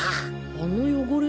あの汚れ。